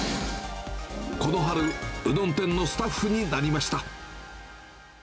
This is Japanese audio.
この春、うどん店のスタッフになりました。